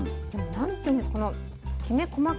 何て言うんですか？